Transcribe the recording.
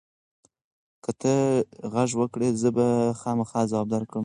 که ته غږ وکړې، زه به خامخا ځواب درکړم.